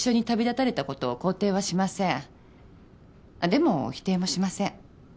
でも否定もしません。